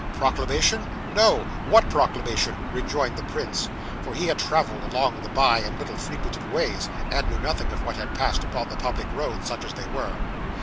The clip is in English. '"Proclamation! No. What proclamation?" rejoined the prince for he had travelled along the by and little frequented ways, and knew nothing of what had passed upon the public roads, such as they were.